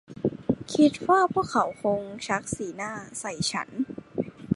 คิดว่าพวกเขาคงชักสีหน้าใส่ฉัน